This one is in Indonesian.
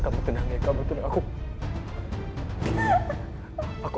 kamu tenang ya kamu tenang